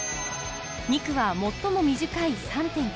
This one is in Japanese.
２区は最も短い３．９ｋｍ。